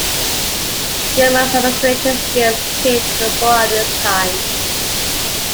Gilman's administrative skills came to the fore at this time.